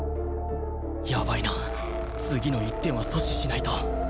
やばいな次の１点は阻止しないと